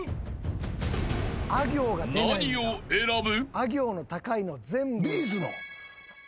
［何を選ぶ？］